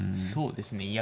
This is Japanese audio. そうですね。